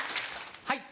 はい。